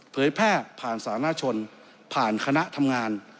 เผยแพร่ผ่านสาธารณชนผ่านคณะทำงาน